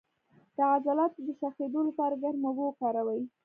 د عضلاتو د شخیدو لپاره ګرمې اوبه وکاروئ